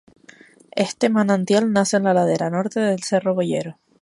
Este manantial nace en la ladera norte de Cerro Boyero.